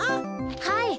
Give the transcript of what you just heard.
はい。